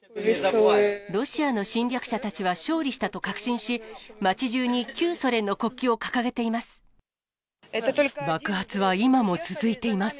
ロシアの侵略者たちは、勝利したと確信し、街じゅうに旧ソ連の国旗を掲げています。